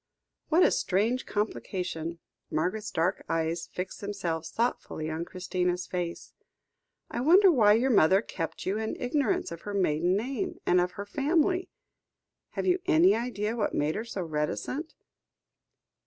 "What a strange complication," Margaret's dark eyes fixed themselves thoughtfully on Christina's face. "I wonder why your mother kept you in ignorance of her maiden name, and of her family? Have you any idea what made her so reticent?